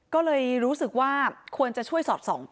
ก็เลยรู้สึกว่าควรจะช่วยสอดส่อง